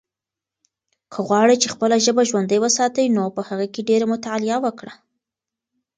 که غواړې چې خپله ژبه ژوندۍ وساتې نو په هغې کې ډېره مطالعه وکړه.